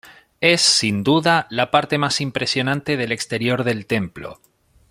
Es, sin duda, la parte más impresionante del exterior del templo.